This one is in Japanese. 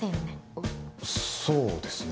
あっそうですね。